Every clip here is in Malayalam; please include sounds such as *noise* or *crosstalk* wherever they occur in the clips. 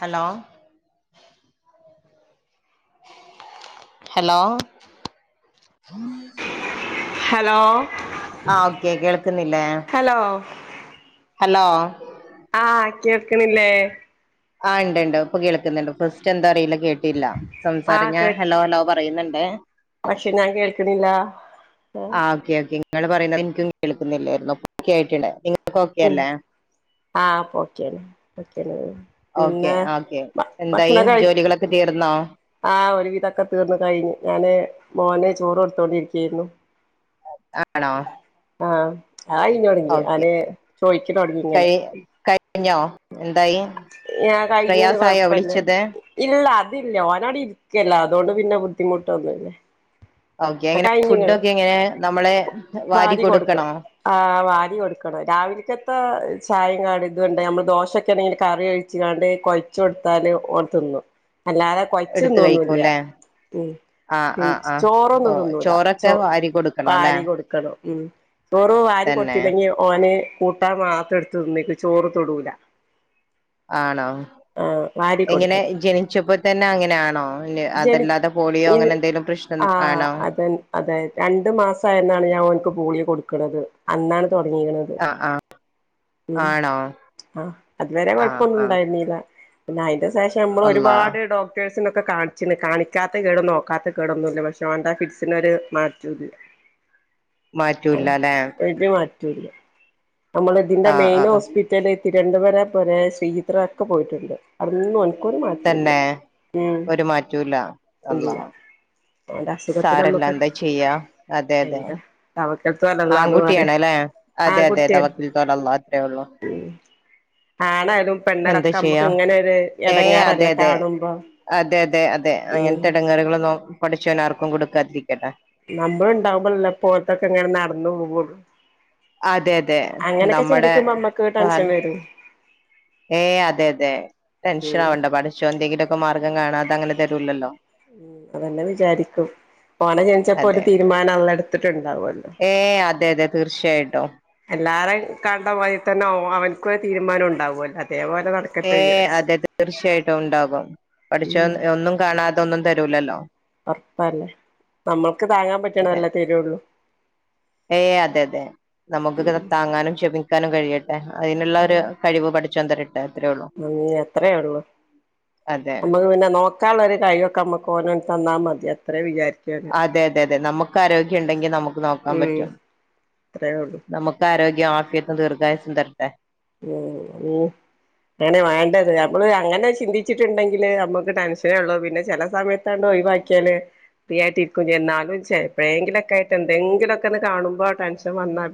ഹലോ ഹലോ ഹലോ ആ ഓക്കെ കേൾക്കുന്നില്ലേ ഹലോ ഹലോ ആ കേൾക്കണില്ലേ ആ ഉണ്ട് ഇപ്പൊ കേൾക്കുന്നുണ്ട് ഫസ്റ്റ് എന്താ അറിയില്ല കേ കേട്ടില്ല ആ സംസാരം ഞാൻ കേ ഹലോ ഹലോ പറയുന്നുണ്ട് പക്ഷെ ഞാൻ കേൾക്കണില്ല ആഹ് ആ ഓക്കെ ഓക്കെ നിങ്ങള് പറയുന്നത് എനിക്കും കേൾക്കുന്നില്ലാര്ന്നു ഇപ്പം ഒക്കെ ആയിണ്ടുണ്ട് നിങ്ങക്ക് ഓക്കെ ഉം അല്ലേ ആ ഇപ്പോ ഓക്കെയാണ് *unintelligible* ഓക്കെ ഓക്കെ എന്തായി ഭക്ഷണം കഴി ജോലികളൊക്കെ തീർന്നോ ആ ഒരു വിധോക്കെ തീർന്നു കഴിഞ്ഞു ഞാന് മോനെ ചോറ് കൊടുത്തോണ്ടിരിക്കയായിരുന്നു ആണോ ആഹ് ആയ് കയ്ഞ്ഞോടങ്ങി ഓക്കെ അലെ ചോയ്ക്ക തൊടങ്ങി ഇങ്ങന കഴി കഴിഞ്ഞോ എന്തായി ഞാൻ കഴിഞ്ഞാണ് പ്രയാസായോ കുഴപ്പമില്ല വിളിച്ചത് ഇല്ല അതില്ല ഓൻ അവിടെ ഇരിക്കല്ല അതുകൊണ്ട് പിന്നെ ബുദ്ധിമുട്ടൊന്നും ഇല്ല ഓക്കെ എങ്ങനെ ഫുഡ ഒക്കെ എങ്ങനെ നമ്മള് വാരി കൊടുക്കണോ ആ വാരി കൊടുക്കണം രാവിലത്തെ ചായ കാടി ഇതുണ്ട് നമ്മള് ദോശയൊക്കെ ആണെങ്കിൽ കറിയൊഴിച്ച് ഒയ്ച്ച്കാണ്ട് കുഴച്ച് കൊടുത്താൽ ഓൻ തിന്നു അല്ലാതെ എടുത്ത് കെയച്ചൊന്നും തിന്നെന്നുല്ല കഴിക്കുംല്ലേ ഉം ആഹ് പിന്നെ ആഹ് ആഹ് ഓ ചോറൊന്നും ചോറൊക്കെ ചേ വാരി കൊടുക്കണം അല്ലെ വാരി കൊടുക്കണം ഉം ചോറ് വാരി തന്നെ കൊടുത്തില്ലെങ്കിൽ ഏ ഓന് കൂട്ടാ മാത്രം ട്ത്ത്ന്ന്ക്ക് ചോറ് തൊടൂല ആണോ ആഹ് വാരി എങ്ങനെ കൊടുക്കണം ജനിച്ചപ്പോ തന്നെ അങ്ങനെ ആണോ ല്ല്യ ജനി അതല്ലാതെ പോളിയോ അങ്ങനെന്തേലും പ്രശ്നം ആണോ അതായത് രണ്ട് മാസായന്നാണ് ഞാൻ ഓൻക്ക് പോളിയൊ കൊട്ക്ക്ണത് അന്നാണ് തൊട്ങ്ങീക്ക്ണത് ആഹ് ആഹ് ഉം ആണോ ആ അന്നേരം ആഹ് കൊഴ്പ്പൊന്നും ആഹ് ണ്ടായ്ന്നീല പിന്നെ അയ്ന്റെ ശേഷം നമ്മൾ അള്ളാ ഒരുപാട് ഡോക്ടേഴ്സിനൊക്കെ കാൺ ച്ച്ന്ന് കാണിക്കാത്ത കേടും നോക്കാത്ത കേടൊന്നും ല്ല പക്ഷേ ഓന്റെ ഫിറ്റ്സിനൊരു മാറ്റും ല്ല ആ മാറ്റൂല്ല അല്ലെ ഒരു മാറ്റൂല്ല നമ്മള് തിന്റെ ആഹ് മെയ്ന് ആഹ് ഹോസ്പി റ്റല് തിരുവനന്തപുരം പൊരേ ശ്രീത്ര ഒക്കെ പോയിട്ട്ണ്ട് അതൊന്നും ഓൻക് ക്കൊരു മാറ്റോല്ല്യ തന്നെ ഏ ഒരു മാറ്റൂല്ലാ ഇല്ല ഓന്റെ അസുഖത്തിന് സാരല്ല നമ്മക്കൊരു എന്താ ചെയ്യാ അതെ അതെ എന്താ തവക്കൽത്തു അലല്ലാന്ന് പറയാ ആൺകുട്ടിയാണ്ലെ അതെ അതെ തവക്കൽത്തു അലള്ളാ അത്രേ ഒള്ളു. ഉം ആണായലും എന്താ പെണ്ണലൊക്കെ ചെയ്യാ മ്മക്ക് ങ്ങനൊരു ഏഹ് അതെ എടങ്ങേറല്ലേ അതെ കാണ് മ്പോ അതെ അതെ അതെ അങ്ങൻത്തെ എടങ്ങേറ്കളൊന്നും പടച്ചോൻ ആർക്കും കൊട്ക്കാതിരിക്കട്ടേ ന്നമ്മള് ണ്ടാവുമ്പളല്ലെ പ്പോൽതൊക്കെ ങ്ങനെ നട്ന്ന് പോകൊള്ളു അതെ അതെ ന്നമ്മടെ ചിന്തിക്കുമ്പോ നമ്മക്ക് കാല ടെൻഷൻ വരും ഏ അതെതെ ടെൻഷനാവണ്ട പാട് എന്തെങ്കിലൊക്കെ മാർഗം കാണാതങ്ങനെ തരൂലല്ലോ ഉം അതന്നെ വിചാരിക്കും പാണ ജനിച്ചപ്പോ ഒരു അതെ തീരുമാനള്ള ട്ത്ത്ട്ട്ണ്ടാവല്ലോ ഏ അതെ അതെ തീർച്ചയായിട്ടും. എല്ലാരെ കണ്ടമാത് രിത്തന്നെ ഓൻ അവൻക്കൊര് തീര്മാനൊണ്ടാവല്ലോ അതേ പോലെ നട ഏ അതെതെ തീർച്ചയായിട്ടും ഉണ്ടാകും പടച്ചോൻ ഒന്നും കാണാതൊന്നും തരൂലല്ലോ ഒർപ്പല്ലേ നമ്മൾക്ക് താങ്ങാൻ അതെ പറ്റ്ണതല്ലേ തരൊള്ളു. ഏ അതെതെ നമുക്ക്ത് താങ്ങാനും ക്ഷമിക്കാനും കഴിയ അ അയ്ന്ള്ളൊരു കഴിവ് പടച്ചോൻ തരട്ടെ അത്രേ ഉള്ളൂ ഉം അത്രെയൊള്ളു അതെ അമ്മക്ക് പിന്നെ നോ ക്കാള്ളൊര് കഴിവൊക്കെ അമ്മക്ക് ഓനാണ്ട് തന്നാമതി അത്രേ വിചാരി അതെ അതെ അതെ നമ്മക്കാരോഗ്യണ്ടെങ്കി നമ്മക്ക് നോക്കാൻ ഉം പറ്റും അത്രേ ഉള്ളൂ നമ്ക്ക് ക്കാരോഗ്യം ആഫിയത്തും ദീർഘായുസും തരട്ടേ ആമീൻ അങ്ങനെവേണ്ടത് അമ്മള് അങ്ങനെ ചിന്തിച്ചിട്ട്ണ്ടെങ്കില് അമ്മക്ക് ടെൻഷനേള്ളൂ പിന്നെ ചെല സമയത് ത്താണ്ടൊയ് വാക്കിയാല് ഫ്രീ ആയിട്ടിരിക്കും ചെയ്യ ന്നാലും ചെലപ്പഴേങ്കിലുക്കേയ്ട്ട് ന്തേങ്കിലൊക്കെന്ന് കാണ് മ്പൊ ടെൻഷ ടെൻഷൻ വന്നാ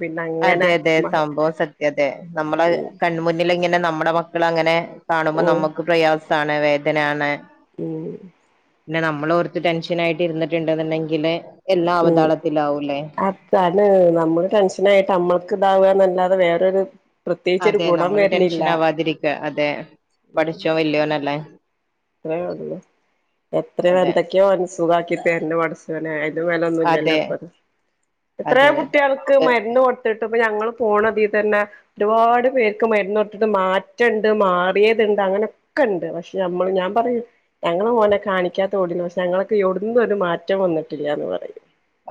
അതെ പിന്നങ്ങനെ അതെ മഴ സംഭവം സത്യം അതെ നമ്മളെ കൺമുന്നിലിങ്ങനെ നമ്മുടെമക്കളങ്ങനെ കാണുമ്പോ ഉം നമ്മുക്ക് പ്രയാസം സാണ് വേധന ആണ്. ഉം ഉം പിന്നെ നമ്മളോർത്ത് ടെൻഷൻ ആയിട്ടിര്ന്ന്ട്ട്ണ്ട്ന്ന്ണ്ടെങ്കില് എല്ലാ ഉം അവതാളത്തിലാവൂല്ലേ അതാണ് നമ്മള് ടെൻഷനായിട്ട് അമ്മൾക്ക് താവാന്നല്ലാതെ വേറൊരു പ്രത്യേകിച്ചൊരു അതെ ഗുണം നമ്മള് വരുന്നില്ല ടെൻഷനാവാതിരിക്ക അതെ പഠച്ചോൻ വല്യോനല്ലേ അത്രേഒള്ളു. എത്രെയോ അതെ എന്തക്യോ ഓന് സുഗാക്കി തര്ന് പടച്ചോനെ അതെ അയ്‌ന്റെമേലൊന്നൂല്ലല്ലൊപ്പത്. അതെ എത്രയോ അതെ അതെ കുട്ട്യാൾക്ക് നമുക്ക് മര്ന്ന് കൊടുത്തിട്ട്പ്പ ഞങ്ങള്പോണതീതന്നെ ഒരുപാട് പേർക്ക് മരുന്നൊടുത്തിട്ട് മാറ്റണ്ട് മാറിയതുണ്ട് അങ്ങനെ ഒക്കെണ്ട് പക്ഷെ ഞമ്മള് ഞാ പറയും ഞങ്ങള് ഓന് കാണിക്കാത്തത് എവുടൂല്ല്യ പഷേ ഞങ്ങളൊക്കെ എവുടുന്നും ഓന് മാറ്റം വന്നിട്ടില്ല പറയും.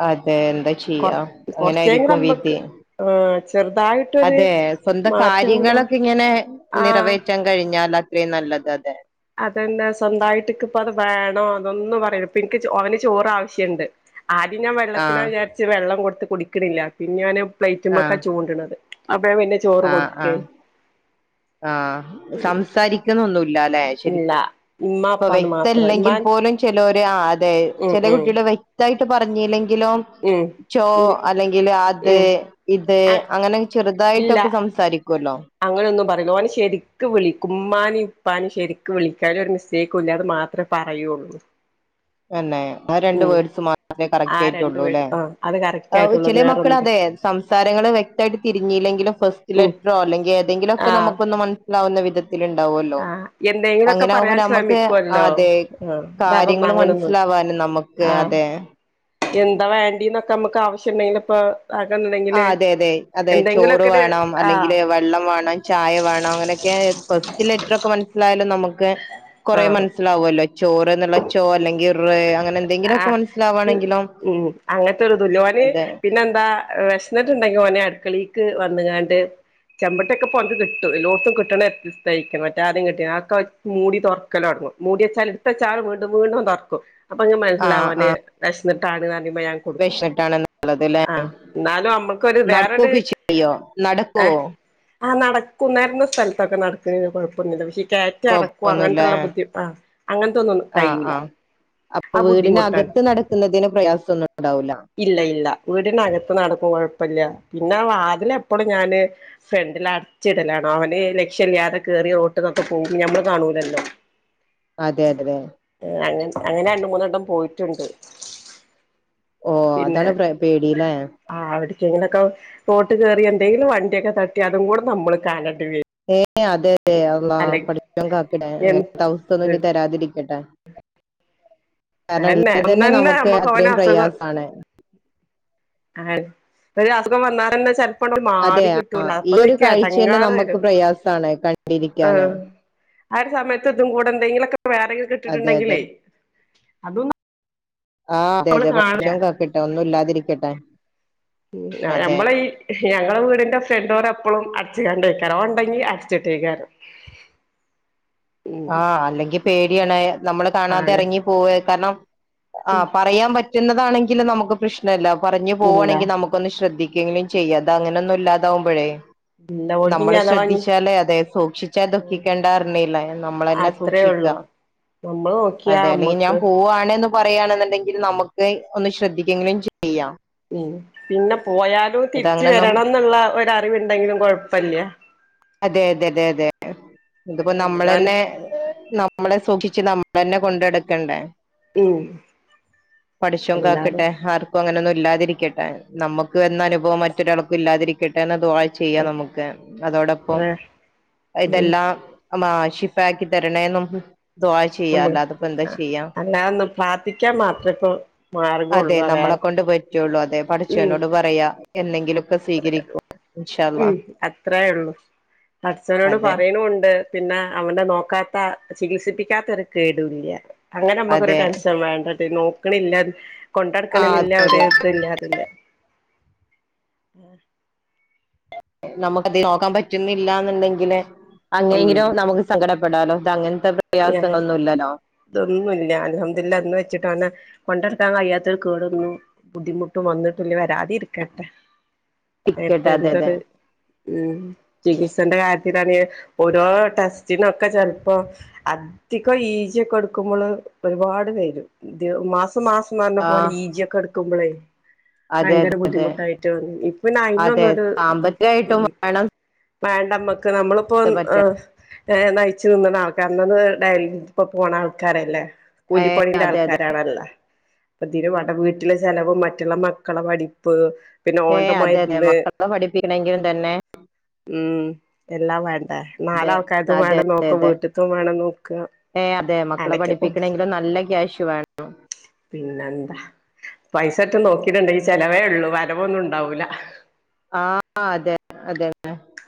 അതെ എന്താ ചെയ്യാ അങ്ങനായിരിക്കും വിധി. ആഹ് ചെറുതായിട്ട് അതെ സ്വന്തം കാര്യങ്ങളൊക്കിങ്ങനെ ആഹ് നിറവേറ്റാൻ കഴിഞ്ഞാല് അത്രേം നല്ലത് അതെ അതന്നാ സ്വന്തായിട്ട്ക്കിപ്പത് വേണോ അതൊന്നും പറയൂലാ ഇപ്പനിക്ക് അവന് ചോറാവശ്യുണ്ട്. ആദ്യം ഞാൻ ആഹ വെള്ളത്തിനാവിചാരിച്ച് വെള്ളം കൊടുത്ത് കുടിക്കണില്ല പിന്നോന് പ്ലേറ്റ്മ്മക്കാ ആഹ് ചൂണ്ട്ണത്. അപ്പം ഞാൻ പിന്നെ ചോറ് ആഹ് കൊടുക്കേ ആഹ് ആഹ് സംസാരിക്കുന്നൊന്നൂല്ലാലേ ശെരി ഇല്ല ഇമ്മ ഇപ്പൊ അപ്പാന്ന് മാത്രം വ്യക്തല്ലെങ്കി ഇമ്മാ പോലും ചെലോര് ആഹ് അതെ ഉം ചെല ഉം കുട്ട്യോള് വ്യക്തായിട്ട് പറഞ്ഞീലെങ്കിലും ചോ അല്ലെങ്കില് ഉം അത് ഉം ഇത് അങ്ങനെ ചെറുതായിട്ടൊക്കെ സംസാരിക്കുവല്ലൊ അങ്ങനെ ഒന്നും പറയല്ല് ഓന് ശെരിക്ക് വിളിക്കും ഉമ്മാനും ഇപ്പാനും ശെരിക്ക് വിളിക്കും ഒരു മിസ്റ്റേക്കും ഇല്ല അത് മാത്രം പറയോ *inaudible* തന്നെ ആഹ് രണ്ട് വേർഡ്സ് മാത്രമേ ആ കറക്റ്റ് രണ്ട് ആയിട്ടുള്ളൂ അല്ലേ വേർഡ്സ് ആ അത് കറക്റ്റ് ആയിട്ടുള്ളൂ ചില മക്കള് വേറൊന്നും പറ അതെ സംസാരങ്ങള് വ്യക്തമായിട്ട് തിരിഞ്ഞീല്ലെങ്കിലും ഫസ്റ്റ് ഉം ലെറ്ററോ അല്ലെങ്കിൽ ഏതെങ്കിലൊക്കെ ആഹ് നമുക്കൊന്ന് മന സ്സിലാവുന്ന വിധ ത്തിൽ ഉണ്ടാവുമല്ലോ ആഹ് എന്തെങ്കിലുമൊക്കെ അങ്ങനെ ആകുമ്പോ പറയാൻ നമുക്ക് ശ്രമിക്കുവല്ലോ അതെ ആഹ് ഇതതൊന്നും കാര്യങ്ങള് അങ്ങനൊന്നും മനസ്സിലാവാനും നമുക്ക് ആഹ് അതെ എന്താ വേണ്ടീന്നൊക്കെ നമുക്ക് ആവശ്യം ഉണ്ടെങ്കിൽ ഇപ്പൊ *unintelligible* ആഹ് അതെ അതെ അതെ ചോറ് എന്തെങ്കിലുമൊക്കെ ഒരു വേണം ആഹ് അല്ലെങ്കില് വെള്ളം വേണം ചായ വേണം അങ്ങനെയൊക്കെ കൊസ് ലെറ്ററൊക്കെ മനസ്സിലായാലും നമുക്ക് കുറെ ആഹ് മനസ്സിലാവുമല്ലോ ചോറ് എന്നുള്ള ച്ചോ അല്ലെങ്കിൽ റേ അങ്ങനെ എന്തെങ്കിലുംക്കെ ആഹ് മനസ്സിലാവാണെങ്കിലോ ഉം അങ്ങനത്തെൊരിതുല്ല ഓന് അതെ പിന്നെന്താ വിശന്നിട്ടുണ്ടെങ്കി ഓന് അടുക്കളേക്ക് വന്നങ്ങാണ്ട് ചെമ്പട്ടൊക്കെ പൊന്ത കിട്ടും എല്ലോടുത്തും കിട്ടണ എത്തി തയ്ക്കും മറ്റോരും കിട്ടിതക്കെ മൂടി തുറക്കല് തുടങ്ങും മൂടി വെച്ചാൽ എടുത്ത് വെച്ചാലും വീണ്ടും വീണ്ടും തുറക്കും അപ്പൊ അങ്ങനെ മനസ്സിലാവും ആഹ് അവന് ആഹ് വിശന്നിട്ടാണ് *unintelligible* വിശന്നിട്ടാണെന്നുള്ളത് ല്ലേ ആഹ് എന്നാലും നമ്മുക്കൊരു വേറൊരു നടക്കൊക്കെ ചെയ്യോ നടക്കോ ഏഹ് ആഹ് നടക്കും നടന്ന സ്ഥലത്തൊക്കെ നടക്കുന്ന കുഴപ്പൊന്നില്ല പക്ഷെ കേറ്റം ഇറക്കവും കൊഴപ്പൊന്നുംല്ലേ അങ്ങനെയുള്ള ബുദ്ധി ആഹ് അങ്ങനത്തോന്നും ആഹ് കഴിയൂല ആഹ് അപ്പൊ ആ ബുദ്ധിമുട്ടാണ് വീടിനകത്ത് നടക്കുന്നതിന് പ്രയാസം ഒന്നും ഉണ്ടാവൂല്ല ഇല്ല ഇല്ല വീടിനകത്ത് നടക്കും കൊഴപ്പില്ല പിന്നെ വാതില് എപ്പോഴും ഞാന് ഫ്രണ്ടിൽ അടച്ചിടലാണോ അവന് ലക്ഷ്യമില്ലാതെ കേറി അങ്ങോട്ടുവൊക്കെ പോകും നമ്മള് കാണൂലല്ലോ അതെ അതെ അ അങ്ങനെ രണ്ട് മൂന്ന് വട്ടം പോയിട്ടുണ്ട് ഓ പിന്നെ അതാണ് പേ പേടിയില്ലേ ആഹ് അവക്കെങ്ങനൊക്കെ തോട്ട് കേറി എന്തെങ്കിലും വണ്ടിയൊക്കെ തട്ടി അതും കൂടെ നമ്മള് കാണേണ്ടി വരും ഏയ് അതെ അതെ അള്ളാ അല്ലെങ്കി പടച്ചോൻ കാക്കട അങ്ങനെ എ അവസ്ഥൊന്നും ഇനി തരാതിരിക്കട്ടെ കാരണം അതന്നെ അല്ലെ തന്നെ ഒന്നന്നെ നമുക്ക് നമ്മക്ക് ഓന അത്രയും പ്രയാസാണ് ആഹ് ഒരു അസുഖം വന്നന്നാല് ച അപ്പൊ അതെ മാറി ആ കിട്ടൂല ഈ ഒരു അപ്പത്തേക്ക് കാഴ്ച തന്നെ ഇടങ്ങാറ് നമുക്ക് വരും പ്രയാസാണ് കണ്ടിരിക്കാന് ആഹ് ആ ഒരു സമയത്ത് ഇതും കൂടെ എന്തെങ്കിലുംക്കെ വേറെങ്കിലും അതെ അതെ കെട്ടിട്ടുണ്ടെങ്കിലേ അതും ആഹ് അതെ നമ്മള് അതെ കാണില്ല പടച്ചോൻ കാക്കട്ടെ ഒന്നുംല്ലാതിരിക്കട്ടെ ഉം നമ്മള ഈ ഞങ്ങളെ വീടിന്റെ ഫ്രണ്ട് ഡോറ് എപ്പളും അടച്ച് കൊണ്ടയ്ക്കാരം ഓൻണ്ടെങ്കി അടച്ചിട്ടേക്കാരം *inaudible* ഉം ആഹ് അല്ലെങ്കിൽ പേടിയാണ് നമ്മള് കാണാതെ ആണ് ഇറങ്ങി പോവ കാരണം ആഹ് പറയാൻ പ റ്റുന്നതാണെങ്കിലും നമുക്ക് പ്രശ്നല്ല പറഞ്ഞു ഇല്ല പോകവാണെങ്കിൽ നമുക്കൊന്ന് ശ്രദ്ധിക്കെങ്കിലും ചെയ്യാം ഇത് അങ്ങനെന്നും ഇല്ലാതാവുമ്പോഴേ ഇല്ല ഓൽക്ക് ഇനി നമ്മള് അഥവാ ഇനി ശ്രദ്ധിച്ചാല് അതെ സൂക്ഷിച്ചാൽ ദുഖിക്കണ്ടാറിഞ്ഞില്ലേ നമ്മളന്നെ അത്രേ സൂക്ഷിക്ക ഒള്ളൂ നമ്മള് നോക്കിയാ അതേ അല്ലേ ഞാൻ അമ്മക്ക് പോ പോവാണ്ന്ന് പറയുകയാണെന്നുണ്ടെങ്കിൽ നമുക്ക് ഒന്ന് ശ്രദ്ധിക്കങ്കിലും ചെയ്യാം ഉം പിന്നെ പോയാലും ഇത് തിരിച്ച് അങ്ങനൊന്നും വരണംന്നുള്ള ഒര് അറിവുണ്ടെങ്കിലും കൊഴപ്പല്ല അതെ അതെ അതെ അതെ ഇതിപ്പോ അങ്ങനൊന്നും നമ്മൾ ഞാന് തന്നെ ന നമ്മളെ സൂക്ഷിച്ച് നമ്മൾ തന്നെ കൊണ്ട് നടക്കണ്ടേ ഉം പടച്ചോൻ എല്ലാരും കാക്കട്ടെ ആർ ക്കും അങ്ങനെന്നും ഇല്ലാതിരിക്കട്ടെ നമുക്ക് വന്ന അനുഭവം മറ്റൊരാൾക്കും ഇല്ലാതിരിക്കട്ടെ എന്ന ദു ആ ചെയ്യാം നമുക്ക് അത്ര അതോടൊപ്പം ഉം ഇതെല്ലാം ആഷിക്കാക്കി തരണേന്നും ദുആ ചെയ്യാം നമ്മ അല്ലാതപ്പോ എന്താ ചെയ്യാം അല്ലാതൊന്ന് പ്രാർത്ഥിക്കാൻ മാത്രേ ഇപ്പോ അതെ മാർഗൊള്ളൂ വേറെ നമ്മളളെ- കൊണ്ട് പറ്റുള്ളൂ അതെ ഉം പടച്ചോനോട് പറയാ എന്തെങ്കിലുമൊക്കെ സ്വീകരിക്കും ഇൻഷാ അള്ളാ ഉം അത്രയേ ഉള്ളൂ പടച്ചവനോട് അതെ പറയണുണ്ട് പിന്നെ അവനെ നോക്കാത്ത ചികിത്സിപ്പിക്കാത്ത ഒരു കേടുവില്ല അങ്ങനെ നമ്മക്കൊരു അതെ ടെൻഷൻ വേണ്ട ട്ടൊ നോക്കാനില്ല കൊണ്ട് ആ നടക്കണില്ല അതെ ഒരു അതെ ഇതില്ല അതില്ല ആ നമമക്ക് അതി നോക്കാൻ പറ്റുന്നില്ല എന്നുണ്ടെങ്കിൽ അങ്ങനെങ്കിലോ ഉം നമുക്ക് സങ്കടപ്പെടാലൊ ഇതങ്ങനത്തെ പ്രയാസങ്ങളൊന്നും ഇല്ലല്ലോ ഇതൊന്നുല്ല അലഹദില്ല എന്ന് വെച്ചിട്ട് അവനെ കൊണ്ട് നടക്കാൻ കഴിയാത്തൊരു കേടൊന്നും ബുദ്ധിമുട്ടും വന്നിട്ടില്ല വരാതിരിക്കട്ടെ നേരത്തെ *unintelligible* അതെ അതെ എന്തൊരു ഉം ചികിത്സന്റെ കാര്യത്തിലാണ് ഓരോ ടെസ്റ്റിനൊക്കെ ചെലപ്പോ അധികം ഈ ജെയ് ഓകെ എടുക്കുമ്പോള് ഒരുപാട് പേരും മാസം മാസം പറഞ്ഞ ആ പോലെ ഈജിയൊക്കെ എടുക്കുമ്പോളേ അതെ ഭയങ്കര അതെ അതെ ബുദ്ധിമുട്ടായിട്ട് ഇപ്പോ പിന്നെ അതെ അയിനിന്നൊരു സാമ്പത്തികമായിട്ടും ഉം വേണം വേണ്ട മ്മക്ക് നമ്മളിപ്പോ ഇത് ആ പറ്റണം ഏ നയിച്ചു തിന്നണ ആൾക്കാര് എന്നന്ന് ഡയലി ഇപ്പ പോണ ആൾക്കാരല്ലേ ഏ കൂലിപ്പണിന്റെ അതെ അതെ ആൾക്കാരാണല്ല ഇപ്പൊ വാടക വീട്ടിലെ ചിലവ് മറ്റുള്ള മക്കളെ പഠിപ്പ് പിന്നെ ഏയ് ഓന്റെ അതെ അതെ മരുന്ന് മക്കളെ പഠിപ്പിക്കണമെങ്കിലും തന്നെ ഉം എല്ലാം വേണ്ടേ നാലു അതെ ആൾക്കാര്‌തും അതെ വേണ്ട അതെ നോക്ക അതെ വീട്ടിൽ ഏ അതെ മക്കളെ അനക്കെ പോണ്ട് പഠിപ്പിക്കണമെങ്കിലും നല്ല ക്യാഷ് വേണം പിന്നെന്താ പൈസ ഒക്കെ നോക്കിയിട്ടുണ്ടെങ്കിൽ ചെലവേ ഉള്ളു വരവൊന്നും ഉണ്ടാവൂല ആഹ അതെ അതെ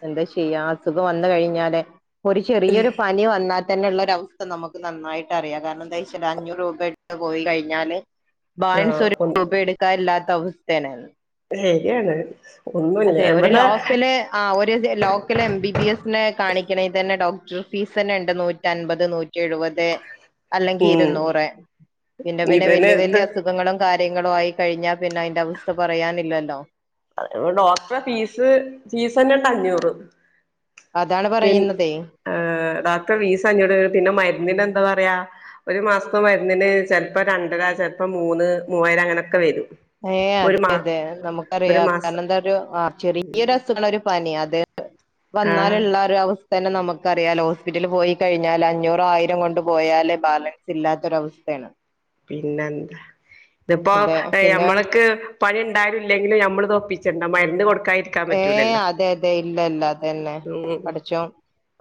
എന്താ ചെയ്യാ അസുഖം വന്നു കഴിഞ്ഞാലേ ഒരു ചെറിയൊരു പനി വന്നാ തന്നെ ഉള്ളര അവസ്ഥ നമുക്ക് നന്നായിട്ട് അറിയാം കാരണം എന്താ വെച്ചാൽ അഞ്ഞൂറ് രൂപയിട്ട് പോയി കഴിഞ്ഞാല് ആ ബാലൻസ് ഒരു ഒ രൂപ എടുക്കാനില്ലാത്ത അവസ്ഥയാണ് ഇല്ലേ *unintelligible* ഒന്നൂല്ല ഇവടെ ആഹ് ഒരു ലോക്കൽ എം ബി ബി എസിനെ കാണിക്ണേ തന്നെ ഡോക്ടർ ഫീസ് തന്നെണ്ട് നൂറ്റൻപത് നൂ റ്റി എഴുപത് അല്ലെങ്കി ഉം ഇരുന്നൂറ് പിന്നെ പിന്നെ ഇവന് വല്യ വല്യ ഇത് അസു ഖങ്ങളും കാര്യങ്ങളും ആയി കഴിഞ്ഞാ പിന്നെ അയിന്റെ അവസ്ഥ പറയാനില്ലല്ലോ. അ ഡോക്റ്റെ ഫീസ് ഫീസന്നെണ്ട് അഞ്ഞൂറ്. അതാണ് പറയുന്നതെ ആഹ്. ഡോക്റ്റെ ഫീസ് അഞ്ഞൂറ് പിന്നെ മരുന്നിന് എന്താ പറയാ ഒരു മാസത്തെ മരുന്നിന് ചെൽപ്പം രണ്ടര ചെൽപ്പം മൂന്ന് മൂവായിരം അങ്ങനൊക്കെ വരും. ഏഹ് ഒരു അതെ മാ അതെ. ഒരു നമുക്കറിയാ കാരണം മാസം എന്താ ഒരു ആഹ് ചെറിയൊരു അസുഖങ്ങൾ ഒരു പനി അത് ആഹ് വന്നാലുള്ള ഒരു അവസ് സ്ഥന്നെ നമുക്ക് അറിയാലോ ഹോസ്പിറ്റൽ പോയി കഴിഞ്ഞാൽ അഞ്ഞൂറോ ആയിരം കൊണ്ട് പോയാല് ബാലൻ സില്ലാത്തൊരവസ്ഥേണ്. പിന്നെന്താ ഇതിപ്പോ അതെ ഏഹ് പിന്നെ ഞമ്മള്ക്ക് പണി ണ്ടായാലും ഇല്ലെങ്കിലു നമ്മൾ ത് ഒപ്പിച്ചണ്ട മരുന്ന് കൊടുക്കായി ഏഹ് അതെ അതെ ഇല്ല ഇല്ല അതന്നെ ഉം പടച്ചോൻ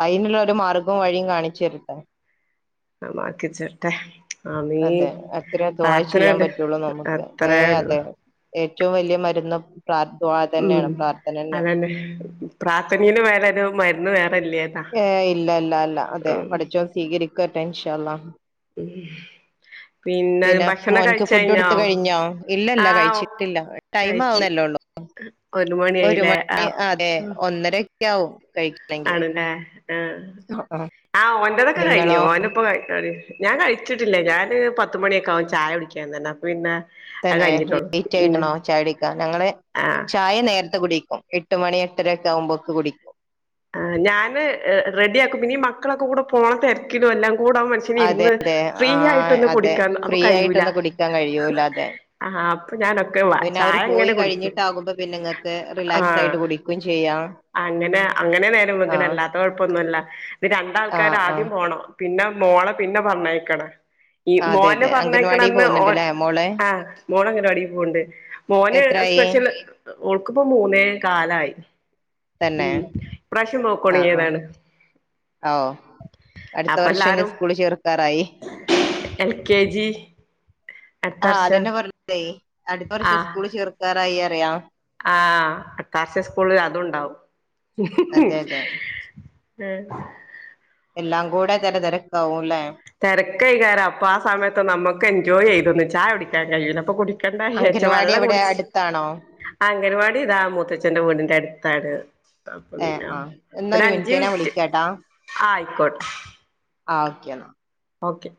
അയ്നുള്ള ഒരു മാർഗും വഴിം കാണിച്ചെരുട്ടൊ. ആഹ് അള്ളാക്കിച്ചെര്റ്റെ. അതെ അത്രേ ദുആ ചെയ്യാൻ പറ്റുള്ളു നമുക്ക് അത്രേ ഏഹ് ഉള്ളു അതെ. ഏറ്റവും വല്യ മരുന്ന് പ്രാ ദുആ തന്നേണ് പ്രാർത്ഥനന്നേണ്. *unintelligible* പ്രാർത്ഥനീല് വേറെ ഒരു മരുന്ന് വേറെല്യ. ഏയ് ഇല്ല ഇല്ല അല്ല അതെ പടച്ചോൻ സ്വീകരിക്കട്ടെ ഇൻഷാ അല്ലാഹ് ഉം പിന്നെ ഭക്ഷണം മോനിക്ക് ഫുഡ് കഴിച്ചയിഞ്ഞോ? കൊടുത്ത് കഴിഞ്ഞോ ഇല്ലല്ല ആഹ് കഴിച്ചിട്ടില്ല ടൈം കഴിച്ച്. ആവുന്നല്ലേ ഉള്ളൂ ഒരു മണ്യായില്ലേ മണി ആഹ് അതെ ആഹ് ഒന്നരയൊക്കെ ആവും കഴിക്കണമെങ്കിൽ ആണ് ല്ലേ ആഹ്. ആഹ് ഓന്റതൊക്കെ കഴിഞ്ഞു നിങ്ങളോ ഓന്പ്പ കഴി ഞാൻ കഴിച്ചിട്ടില്ല ഞാന് പത്തുമണിയൊക്കെ ആവും ചായ കുടിക്കാൻ തന്നെ അപ്പപിന്നെ തന്നെ ലേറ്റ് ആയിട്ടണോ ചായ കുടിക്കാ, ഞങ്ങള് ആഹ് ചായ നേരത്തെ കുടിക്കും. എ ട്ട്മണി എട്ടര ഒക്കാവുമ്പോക്ക് കുടിക്കും. ആന് ഞാന് റെഡിയാക്കും പിന്നേ മക്കളൊക്കെ കൂടെ പോണ തെരിക്കിലും എല്ലാം കൂടാവുമ്പം മൻ അതെ സനിര്ന്ന് അതെ ഫ്രീ ആ ആയിട്ടൊന്ന് അതെ കുടിക്കാൻ അപ്പൊ ഫ്രീ കയ്യൂല. ആയിട്ടൊന്നും കുടിക്കാൻ കഴിയൂല അതെ ആഹ് അപ്പൊ ഞാനൊക്കെള്ള പിന്നെ അവര് പോയി ചായങ്ങനെ കുടിക്ക്യും. കഴിഞ്ഞിട്ടാകുമ്പോ പിന്നെ നിങ്ങൾക്ക് റിലാക്സ് ആഹ് ആയിട്ട് കുടിക്കുകയും ചെയ്യാം അങ്ങനെ അങ്ങനെ ആ നേരംവെഗ്ണേ. അല്ലാത്ത കൊഴപ്പാന്നുല്ല. ഇത് ആ ആ രണ്ടാൾക്കാരാദ്യം പോണം. പിന്നെ മോളെ പിന്നെ പറഞ്ഞയ്ക്കണ. ഈ അതെ മോനെ അതെ അംഗൻവാടി പർഞ്ഞയ്ക്കണന്ന് ഓൻ പോകുന്നുണ്ടല്ലേ മോള് ആഹ് മോളങ്ങനവാടി പോവ്ണ്ട്. മോന് എത്രയായി സ്പെഷ്യൽ ഓൾക്പ്പോ മൂന്നേ കാലായി. തന്നെ ഇപ്രാശ്യം പോകൊട്ങ്ങിയതാണ്. ഔഹ് അടുത്ത വർഷം ഇനി സ്കൂള് ചേർക്കാറായി. എൽ കെ ജി അടുത്ത ആഹ് വർഷം അതന്നെ പറഞ്ഞതേ അടുത്ത വർഷം ആഹ് സ്കൂള് ചേർ ക്കാറായി പറ്യാ. ആഹ് അത്താശ്യ സ്കൂൾല് അതൂണ്ടാവും. അതെ അതെ ഏഹ്. എല്ലാം കൂടെ തെര തെരക്കാവുംല്ലെ? തിരക്കൈകാരം അപ്പൊ ആ സമയത്ത് നമ്മുക്ക് എൻജോയ് ചെയ്തൊന്ന് ചായ കുടിക്കാൻ കഴിയൂല അപ്പൊ കു ക്കണ്ടച്ച അംഗൻവാടി വെള്ളം എവിടെ കുടിച്ചി അടുത്താണോ അംഗൻവാടി ഇതാ മൂത്തച്ഛൻ്ന്റെ വീടിന്റെ അടുത്താണ്. ഏഹ് പിന്നെ ആഹ് എന്നാ ഒ ഒരു അഞ്ച് ഞാൻ മിനിറ്റ് വിളിക്കാട്ടാ ആ ആയിക്കോട്ടെ ആ ഓക്കേ എന്ന ഓക്കെ